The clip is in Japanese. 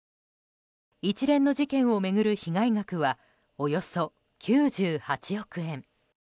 一連の事件を巡る被害額はおよそ９８億円。